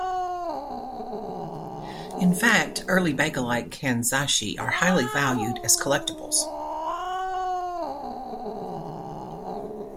In fact, early bakelite kanzashi are highly valued as collectibles.